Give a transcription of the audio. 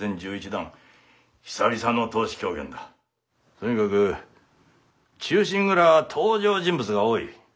とにかく「忠臣蔵」は登場人物が多い。